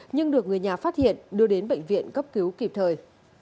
nhưng được người nhà phát hiện đưa đến bệnh viện cấp cứu kịp thời